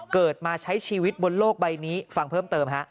เกิดมาใช้ชีวิตบนโลกใบนี้ฟังเพิ่มเติมฮะ